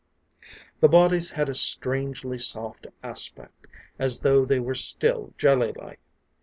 The bodies had a strangely soft aspect, as though they were still jellylike.